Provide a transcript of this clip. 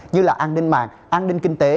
như là an ninh mạng an ninh kinh tế